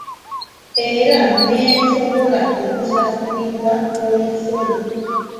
Era n'esobola okusasulirwa omusolo